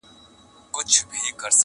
o درس د میني راکه بیا همدم راکه,